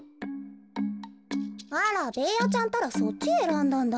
あらベーヤちゃんったらそっちえらんだんだ。